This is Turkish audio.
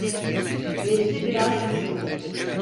Bedri biraz düşündü.